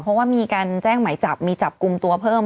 เพราะว่ามีการแจ้งหมายจับมีจับกลุ่มตัวเพิ่ม